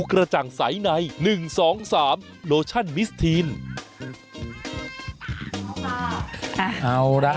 เอาล่ะฮะ